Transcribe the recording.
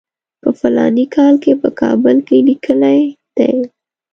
په فلاني کال کې په کابل کې لیکلی دی.